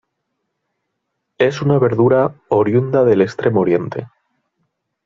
Es una verdura oriunda del Extremo Oriente.